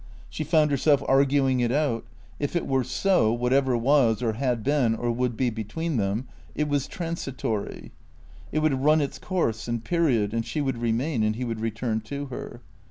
She found herself arguing it out. If it were so, whatever was, or had been, or would be between them, it was transitory. It would run its course and period, and she would remain, and he would return to her.